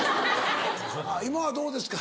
今はどうですか？